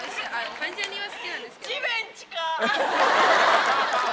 関ジャニは好きなんですけど。